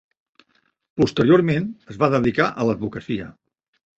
Posteriorment, es va dedicar a l'advocacia.